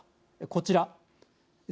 こちら。